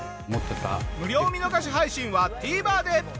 無料見逃し配信はＴＶｅｒで。